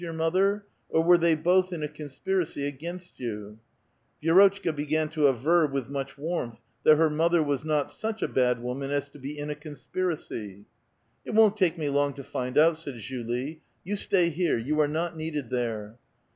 your mother, or were they both iu a conspiracy against you ?" Vi^rotchka began to aver with much warmth that her mother was not such a bad woman as to be in a conspir acy. "It won't take me long to find out," said Julie. "You stay here ; you are not needed there."